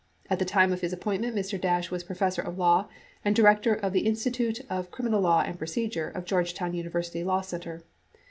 At the time of his appointment, Mr. Dash was professor of law and director of the Insti tute of Criminal Law and Procedure of Georgetown University Law Center.